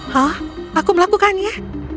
hah aku melakukannya